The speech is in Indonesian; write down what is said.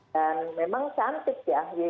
dan memang cantik ya